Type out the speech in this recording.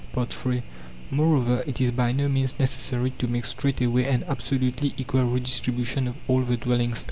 III Moreover, it is by no means necessary to make straightway an absolutely equal redistribution of all the dwellings.